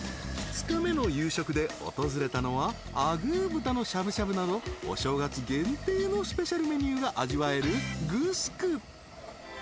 ［２日目の夕食で訪れたのはアグー豚のしゃぶしゃぶなどお正月限定のスペシャルメニューが味わえるグスク］